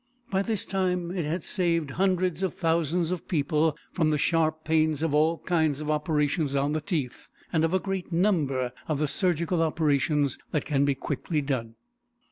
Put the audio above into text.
By this time it has saved hundreds of thousands of people from the sharp pains of all kinds of operations on the teeth and of a great number of the surgical operations that can be quickly done.